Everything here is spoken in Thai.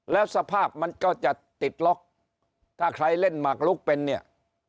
แล้วสภาพมันก็จะติดล็อกถ้าใครเล่นหมักลุกเป็นเนี่ย